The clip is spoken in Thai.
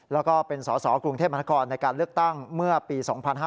แล้วก็เป็นสอสอกรุงเทพมหานครในการเลือกตั้งเมื่อปี๒๕๕๙